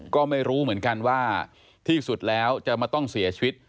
ก็ไม่รู้เหมือนกันว่าที่สุดแล้วจะมาต้องเสียชีวิต